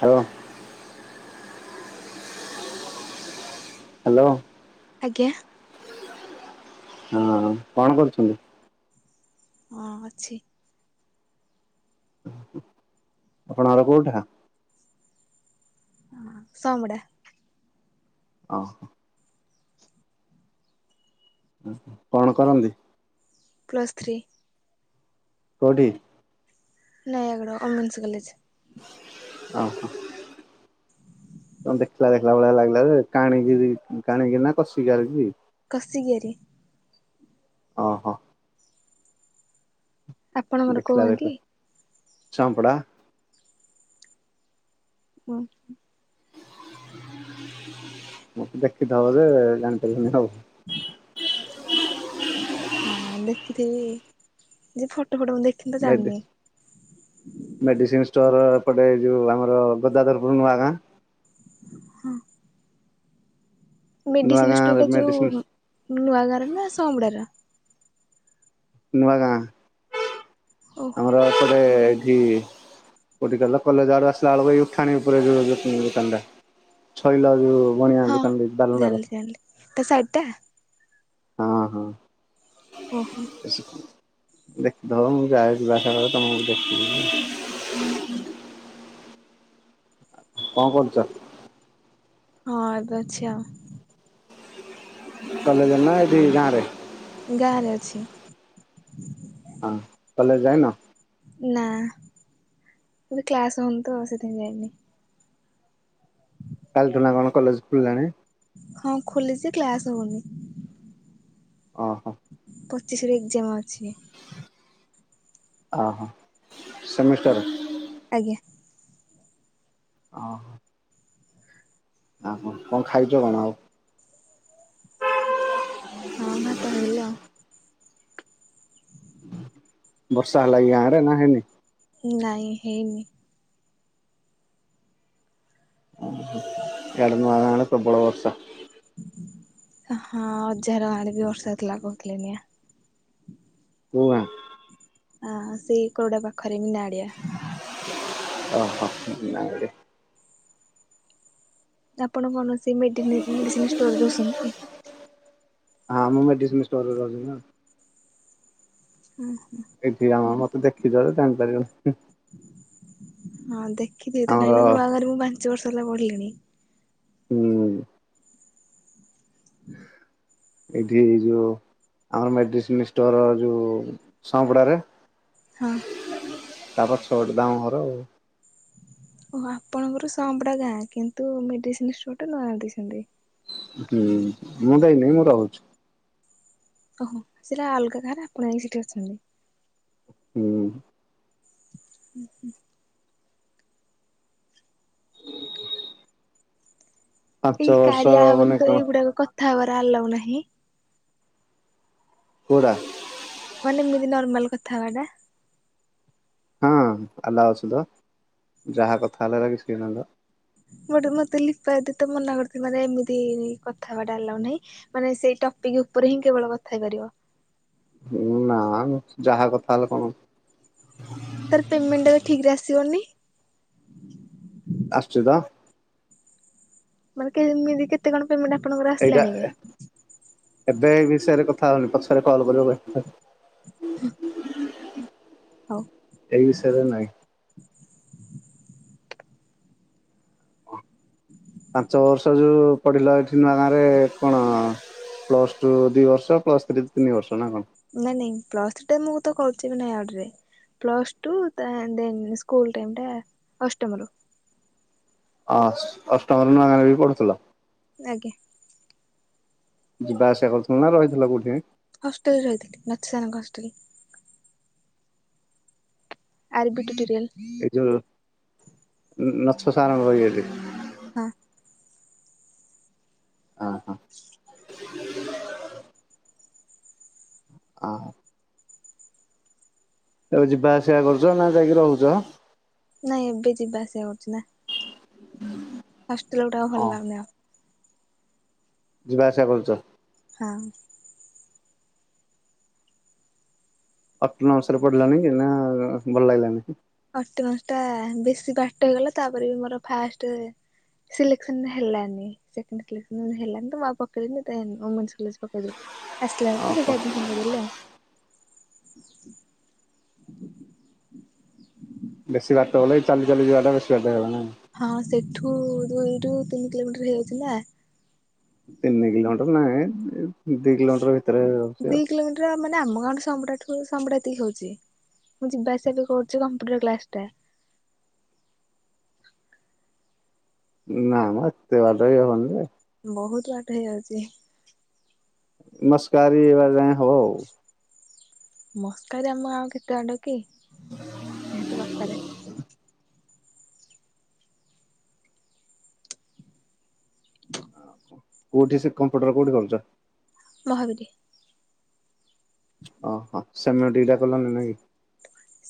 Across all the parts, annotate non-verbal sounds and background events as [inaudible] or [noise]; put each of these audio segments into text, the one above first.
ହଁ ହ୍ୟାଲୋ ଆଜ୍ଞା ହଁ କଣ କରୁଛନ୍ତି ହଁ ଅଛି ଆପଣଙ୍କର କୋଉଟା ହ ସୋମଡା ଓୋ ଓ କଣ କରନ୍ତି ପ୍ଲସ୍ଥ୍ରୀ କଡ଼ି ନାଇଁ ଏଗଡ ଓମେନ୍ସ କଲେଜ ଓହୋ ଦେଖା ଦେଖିଲ ଭଳିଆ ଲାଗିଲା ଯେ କାଣିକିରି କାଣିକିରି ନା କଷିକିାର କି କସିଗିରି। ଓ ହୋ। ଆପଣ ମୋର କୁହ କି? ଚମ୍ପଡ଼ା [inaudible] ମତେ ଦେଖିଦବା ଯେ। ଚାଲୁନି ଆଉ। ହଁ ଦେଖିଥିବି ଯେ ଫଟୋ ଫଟ ମୁ ଦେଖ ମେଡିସିନ୍ ଷ୍ଟୋର ପଟେ ଯୋଉ ଆମର ଗଦାଧରପୁର ନୂଆ ଗାଁ। ହଁ। ନୂଆ ମେଡିସିନ ଗାଁ ଷ୍ଟୋର ଟା ମେଡିସିନ ଯୋଉ ନୂଆ ଗାଁର ନା ସମ୍ ପଡାର? ନୂଆଗାଁ। ଓହୋ ଆମର ଥରେ କି ଗୋଠ କିଲ କଲେଜ ଆଡ ଆସିଲା ବେଳକୁ ଏଇ ଉଠାଣି ଉପରେ ଯୋଉ ଦୋକାନ ଟା ଛଇଲା ଯୋଉ ବଣିଆ ହଁ ଦୋକାନ ଦେଇଛି ବାରଣ୍ଡାର ଜାଣିଲି ଜାଣିଲି ତା ଶାଢ଼ୀ ଟା ହଁ ହଁ। ଓହୋ ଦେଖଦବୁ। ଯାହା ଯିବା ବେଳେ ତମକୁ ଦେଖଲି କଣ କରୁଛ? ହଁ ଏବେ ଅଛି ଆଉ। କଲେଜ ନା ଏଇଠି ଗାଁ ରେ। ଗାଁ ରେ ଅଛି। ହଁ କଲେଜ ଯାଇନ? ନା ଏବେ କ୍ଲାସ ହୋଇନି ତ ଆଉ ସେଥିାଇଁ ଯାଇନି। କାଲି ଟ ନା କଣ କଲେଜ ଖୁଲିଲାଣି? ହଁ ଖୋଲିଛି କ୍ଲାସ ହୋଇନି। [inaudible] ପଚିଶ ରରେ ଏକ୍ଜାମ ଅଛି। ଆ ହୋ ସେମିଷ୍ଟର। ଆଜ୍ଞା ଓୋ। ଆଉ କଣ ଖାଇଛ ଆଉ। ହଁ ଭାତ ଖାଇଥିଲ୍ ଆଉ। ବର୍ଷା ହେଲାକି ଗାଁ ରେ ନା ହେନି? ନାଇଁ ହେଇନି। ଇଆଡ଼େ ନୂଆଗାଁ ଆଡେ ପ୍ରବଳ ବର୍ଷା। ହଁ ଅଜା ଘର ଆଡେ ବି ବର୍ଷା ହୁଥିଲା କହୁଥିଲେ ଇନା। କୋଉ ଗାଁ। ହଁ ସେଇ କୋଉଡା ପାଖରେ ବି ନାଡିଆ। [unintelligible] ଆପଣ କୌଣସି ମେଡିନି ମେସିନଷ୍ଟୋରରେ ରହୁଛନ୍ତି କି? ହଁ ମୁଁ ମେଡିସିନି ଷ୍ଟୋର ରେ ରହୁଚିନା। ଏଇଠି ଆ ଆ ମତ। ଦେଖିଚ ଯେ ଜାଣିପାରିବନି। ହଁ ଦେ। କିଛି ତ ଆମର କାଇଁ ନୂଆ ଘର ବ। ତ। ପାଞ୍ଚ ବର୍ଷ ହେଲା ପଢିଲିଣି। ହୁଁ। ଏଠି ଯୋଉ ଆମର ମେଡିସିନ ଷ୍ଟୋର ଯୋଉ ସାଆପଡାରେ। ହଁ। ତାପ ସଟ ଦାମ ଘର ଆ। ଓ ଆପଣଙ୍କର ସମ୍ପଡା ଗାଁ କିନ୍ତୁ ମେଡିସିନ ଷ୍ଟୋର ଟା ନୁଆ ଦେଇଛନ୍ତି। ହୁଁ ମୁଁ ଯାଇନହିଁ ମୁଁ ରହୁଛି। ଓହୋ ସେଟା ଅଲଗା କାାରେ ଆପଣ ଯାଇି ସେଠି ଅଛନ୍ତି। ହୁଁ। ହୁଁ ହୁଁ। [inaudible] ପାଞ୍ଚ ଏଇ ବର୍ଷ କାରିଆ ଆପ ମାନେ ରେ ତ କଣ ଏଇଗୁଡାକ କଥା। ୟା ପରା ଆଲାଉ ନାହିଁ। କୋଉ ରା। ମାନେ ଏମିତିିନର୍ମାଲ କଥା ହବା ଟା। ହଁ ଆଲାଉ ଅଛିତ ଯାହା କଥା ହେଲା ବା କିଛି ନାଇତ। ମତେ ଲିପାଦି ତ ମନା କରି ଥି ମାନେ ଏମିତି କଥା ହେବାଟା ଆଲାଓ ନାହିଁ ମାନେ ସେଇ ଟପିକ ଉପରେ ହିଁ କେବଳ କଥା ହେଇପାରିବ। ହଁ ନା ଯାହା କଥା ହେଲେ କଣ? ତାରେ ପେମେଣ୍ଟ ଟା ବି ଠିକ ରେ ଆସିବନି ଅଶୁଚି ତ। ମାନେ କେମିତି କେତେ କଣ? ପେମେଣ୍ଟ ଆପଣଙ୍କର ଏଇଟା ଆସିଲାଣି ଏବେ? ଏ ଏବେ ଏଇ ବିଷୟରେ କଥା। ଥାଉ ପଛରେ କଲ କରିଵ କ। [unintelligible] ହଉ ଏ ବିସୟ ରେ ନାହିଁ। ପାଞ୍ଚ ବର୍ଷ ଯୋଉ ପଢିଲା ଏଠି ନୁଆ ଗାଁ ରେ କଣ ପ୍ଲସ ଟୁ ଦି ବର୍ଷ ପ୍ଲସ ଥ୍ରୀ ତିନି ବର୍ଷ ନା କଣ? ନାଇଁ ନାଇଁ ପ୍ଲସଥ୍ରୀ ମୁଁ ତ କରୁଚି ତ ୟାଡେ ରେ ପ୍ଲସ ଟୁ [unintelligible] ଅଷ୍ଟମ ରୁ ହ ଅଷ୍ଟମ ରେ ବି ନୂଆ ଗାଁ ରେ ବି ପଡୁଥିଲ। ଆଜ୍ଞା। ଯିବା ଆସିବା କରୁଥିଲ ନା ରହିଥିଲା କୋଉଠି? ହଷ୍ଟେଲରେ ରହିଥିଲି ନଛ ସାର୍ ଙ୍କ ହଷ୍ଟେଲ। ଆର ବିଟ ଟିରିଏଲ୍। ଏଜଲ ନା ନଛ ସାରଙ୍ଗ ଇଏରେ। ପାଆ। ହଁ ହଁ। [inaudible] ଆ। ତମେ ଯିବା ଆସିବା କରୁଚ ନା ଯାଇକି ରହୁଚ। ନାଇଁ ଏବେ ଯିବା ଆସିବା କରୁଚି ନା। ଆସଥିଲି ଗୋଟା ଆଉ ଭଲ ହଁ ଲାଗୁନି ଆଉ। ଯିବା ଆସିଆ କରୁଚ। ହଁ। ଆଟ ନମିସରେ ପଢିଲାଣି ନା ଭାଇ ଲାଗିଲାନି। ଅଟୋନମିସଟା ବେଶୀ ବାଟ ହେଇଗଲା ଟା ପରେ ବି ମୋର ଫାଷ୍ଟେ ସିଲେକ୍ସନରେ ହେଲାନି ସେକେଣ୍ଡେ କିଲେକ୍ସନରେ ହେଲାନିତ। ମୁଁ ଆଉ ପକେଇଲିନି ଦେନ ଓମେନସେ କଲେଯେ ରେ ପକେଇଦେଲି ଆସିଲା ଭାରି ତ ସେଇଠି ଆଡ଼ମିସନ କରିଦେଲି ଆଉ। ବେଶୀ ବାଟ ହଲେଇ ଚାଲି ଚାଲି ଯିବାଟା ବେଶୀ ବାଧା ହେଲା ନା। ହଁ ସେଠ ଠୁ ଦୁଇ ରୁ ତିନି କିଲୋମିଟର ହେଇଯାଉଥିଲା। ନାଁଇଁ ଦିଇ କିଲୋମିଟର ଭିତ ଦି କିଲୋମିଟର ମାନେ ଆମ ଗାଁ ରୁ ସମ୍ପୁଟ [unintelligible] ହଉଚି ମୁଁ ଯିବା ଆସିବା ବି କରୁଚି କମ୍ପୁଟର କ୍ଲାସ ଟା। ନା ମ ହେତେ ଇଏ ହବନି ଯେ। ବହୁତ ବାଟ ହେଇଯାଉଚି। ମସ୍କାରି ବାଲା ହୋ। [unintelligible] ଆମ ଗାଁକୁ କେତେକ ବାଟ [unintelligible] କଉଠି ସେ କମ୍ପ୍ୟୁଟର କଉଠି କରୁଚ। ମହାବିରି। ଓହ ସେମ ଡିଡା କଲଣିି ନାଇଁ।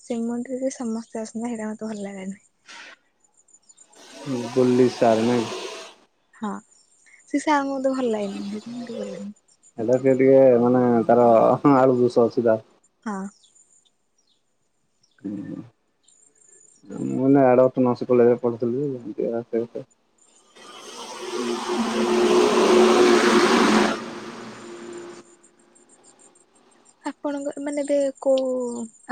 ଶ୍ରୀମନ୍ଦିରେ ସମସ୍ତେ ଅସନ୍ତି ହେଇଟା ମତେ ଭଲ ଲାଗେନା। [inaudible] ବୁଲି ସାରେ ନାଇଁ। ହଁ ସି ସେ ଆମକୁତ ଭଲ ଲାଗେନି। ହେଇଟି ମୁଁ ହେଇଟିକି ଗଲିନି। ହେଲେ ସେ ଟିକେ ମାନେ ତାର ଆଳୁ ଦୋଷ ଅଛି ତାର। ହଁ। [unintelligible] ଉଁ ହୁଁ। ଆପଣଙ୍କ ମାନେ ଏବେ କୋଉ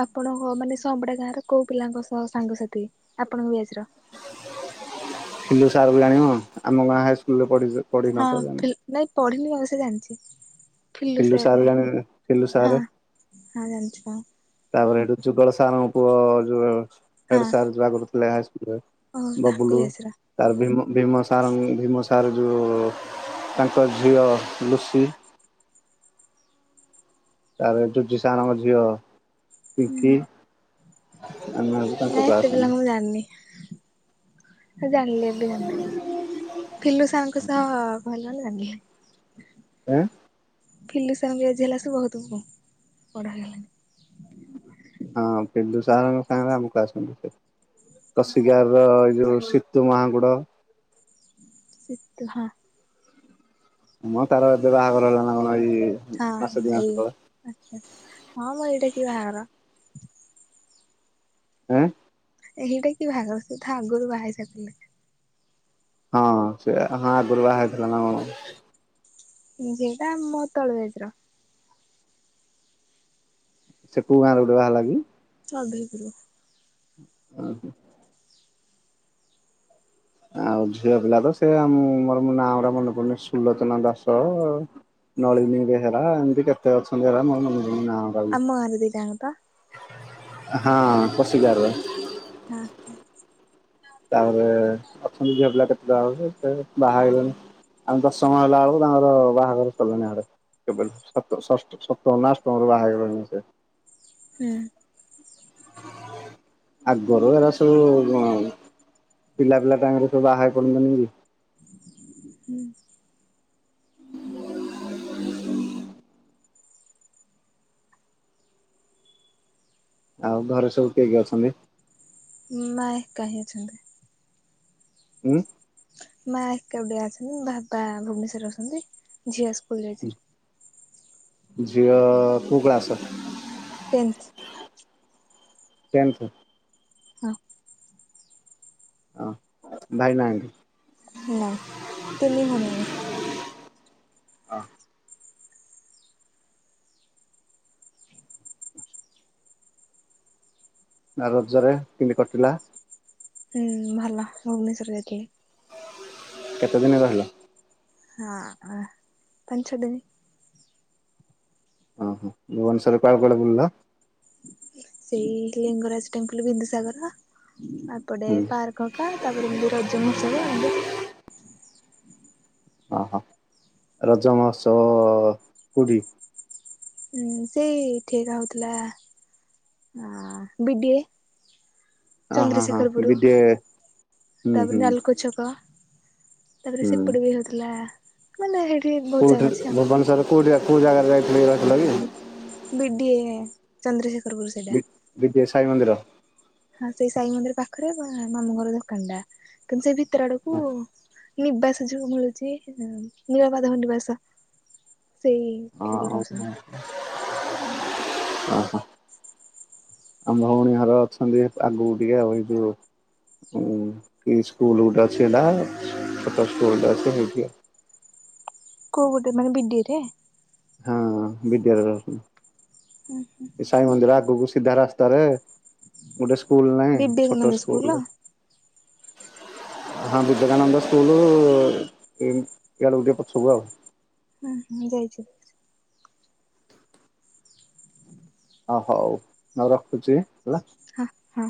ଆପଣଙ୍କ ମାନେ ସମ୍ବଡା ଗାଁର କୋଉ ପିଲାଙ୍କ ସାଙ୍ଗସାଥି ଆପଣଙ୍କ ଏଜେର। ହେଇ ସାରିଲାଣି ଆଉ ଆମ ଗାଁ ହାଇସ୍କୁଲ ରେ ପଢ଼ିବି ଯେ। ହଁ ଫିଲ ନାଇଁ ପଢିନି ସେ ଜାଣିଚି। ଫିଲୁ ସାର୍ ସାରେ ଜାଣି ଫିଲୁ ହଁ ସାର୍ ହ ଜାଣିଚୁ। ତାପରେ ହେଟୁ ଯୁଗଳ ସାରଙ୍କ ପୁଅ ଯୋଉ ଅଛି ତା ହେଡ ହଁ ସାର ଯୋଉ ଆଗରୁ ଓହୋ ତାଙ୍କ ବ୍ୟାଚ୍ ର [unintelligible] [unintelligible] ଭୀମ ସାର ଭୀମ ସାର ଯୋଉ ତାଙ୍କ ଝିଅ ଲୁସି ତା ଜୁଜିସାନଙ୍କ ଝିଅ ହୁଁ ଚିଙ୍କି [inaudible] ଆମ କତ ପ ନାଇଁ ଏତେ ଚାସ ପିଲାଙ୍କୁ ମୁଁ ଜାଣିନି ଜାଣିଲି ଏବେ ଜାନିଦେଲି। ଫିଲୁ ସାାନଙ୍କ ସହ ହ ଭଲ ଲାଗେ। ଆ ଫିଲୁ ସାର ଙ୍କ ଏଜ୍ ବହୁତ ବଡ଼ ହେଲାଣି। ହଁ, ପିଲୁ ସାରଙ୍କ ସାଙ୍ଗରେ ଆମକୁ ଆସନ୍ତି, ସେ କସିଗାର ର ଏଇ ଯୋଉ ସିତୁ ମାହାକୁଡ ସିତୁ, ମୁଁ, ତାର ଏବେ ବାହାଘର ହେଲା ନା କ ହଁ, ହଁ ଏଇ ଆଛା ହ ମୁ ଏଇଟା କି ବାହାଘର ଉଁ,। ସେଇଟା କି ବାହାଘର ସେ ତା ଆଗରୁ ବାହା ହେଇ ସାରିଥିଲେ। ହଁ, ସେ ହ ଗୁରୁ ବାହା ହେଇଥିଲା ନା କଣ। ଯେଟା ମୋ ତଳ ବ୍ୟାଚ ର ସେ କୋଉ ଗାଁରେ, ଗୋଟେ ବାହା ହେ। ହରୋ [inaudible] ଓ ହୋ,। ଆଉ ଝିଅ ପିଲା ତ ସେ ମୋର ନାଁ ଉରା ମନେ ପଡୁନି, ସୁଲୋଚନା ଦାସ, ନଳିନୀ ବେହେରା ଏମିତି କେତେ ଅଛନ୍ତି, ହେରା ମର ମନେ ପଡୁନି ନାଁ ଗୁରା ବି। ଆମ ଗାଁ ରେ ଦି ଟା ଙ୍କ ପା ହଁ, [inaudible] ଖସି ଗରେ ହଁ,। ତାପରେ ଅଛନ୍ତି, ଝିଅ ପିଲା କେତେଟା ବେଳ ସେ ବାହା ହେଇଲେଣି, ଆମେ ଦଶମ ହେଲା ବେଳକୁ ତାଙ୍କର ବାହାଘର ସିଲଣି ଆଡେ ସପ୍ତମ, ଅଷ୍ଟମରୁ ବାହା ହେଇଗଲାଣି, ସେ ହୁଁ,। ଆଗରୁ ଏରା ସବୁ ପିଲା, ପିଲା ତାଙ୍କରେ ସବୁ ଆହା କରନ୍ତନି, କି। ହୁଁ,। ଆଉ ଘରେ, ସବୁ କିଏ କିଏ ଅଛନ୍ତି? ମା, ଏକା ହୋଇଯାଇଛନ୍ତି। ହଁ। ମା ଏକା ବୁଡିଆ ଅଛନ୍ତି, ବାପା ଭୁବନେଶ୍ଵରରେ ଅଛନ୍ତି, ଝିଅ କଦରାଜାର [inaudible] ଝିଅ କୋଉ କ୍ଲାସ ର ଟେନ୍ଥ। ଟେନଥ, ହଁ,। ହ ଭାଇ ନାହାନ୍ତି। ନାଇଁ ତିନି ଭଉଣୀ ଆମେ ଅ ନା ରଜରେ କେମିତି କଟିଲା? ହୁଁ ଭଲ ଭୁବନେଶ୍ଵର ଯକ କେତେ ଦିନ ରହିଲ। ହଁ ପଞ୍ଚଦିନୀ ଓ ହୋ ଭୁବନ ସ୍ୱର କଳ କ ବୁଲିଲ। ସେଇ ଲିଙ୍ଗରାଜ ଟେମ୍ପଲ ବିନ୍ଦୁସାଗର ତାପ ହୁଁ ପାର୍କ ହେରିକା ତାପରେ ଏମତି ରଜ ମହୋତ୍ସବ ଏମତି ଓ ହୋ ରଜ ମହୋତ୍ସବ କୋଉଠି? ହଁ ସେଇ ଠିକ ହଉଥିଲା ଅ ବିଡିଏ ହଁ ହଁ ହଁ ଚନ୍ଦନ୍ଦ୍ରଶେଖର ପୁର ବିଡିଏ ହୁଁ ହୁଁ ତାପରେ ନାଲକୋ ଛକ ତାପରେ ହୁଁ। ସେପଟେ ବି ହଉଥିଲା ମାନେ ସେଇଠି ବହୁତ କୋଉଠି ଜାଗା ଅଛି ଆଉ ଭୁବନେଶ୍ଵରରେ କୋଉଠି କୋଉଁ ଜାଗା କୋଉଁ ଜାଗା? [unintelligible] ରହିଥିଲ କି? ବିଡିଏ ଚନ୍ଦ୍ରଶେଖର ବି ବିଡିଏ ସାଇ ମନ୍ଦିର। ହଁ ସେଇ ସାଇ ମନ୍ଦିର ପାଖରେ ମାମୁଁ ଘର ଦୋକାନ ଟା କିନ୍ତୁ ସେ ଭିତ ଭିତର ଆଡ଼କୁ ନିବାସ ଯୋଗୁ ମିଳୁଛି ନୀଳମାଧବ ନିବାସ ସେଇ ଠିକ ହଁ ରହସନ୍ତି। ଓହୋ। ଆମ ଭଉଣୀ ଘର ଅଛନ୍ତି ଆଗକୁ ଟିକେଉ ଏଇ ଯୋଉ ସ୍କୁଲ ଗୋଟେ ଅଛି ହେ ଛୋଟ ସ୍କୁଲ ଟେ ଅଛି ସେଇଠି। କୋଉ ଗୋଟେ ମାନେ ବିଡିଏ ରେ? ହଁ ବିଦ୍ୟ ହୁ ହୁଁ। ସିଧା ରାସ୍ତାରେ ଗୋଟେ ସ୍କୁଲ ନହିଁ ଛୋଟ ସ୍କୁଲ ହଁ ବିବେକାନନ୍ଦ ସ୍କୁଲ ଏଆଡ଼କୁ ଟିକେ ପଛକୁ ଆଉ। ହୁଁ ହଁ ଯାଇଛ। ଓ ହଉ ହ ରଖୁଛି ହେଲା। ହଁ ହଁ।